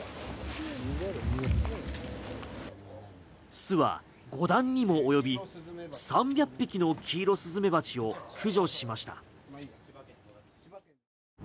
巣は５段にもおよび３００匹のキイロスズメバチを駆除しました。